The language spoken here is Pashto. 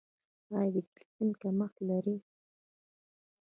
ایا د کلسیم کمښت لرئ؟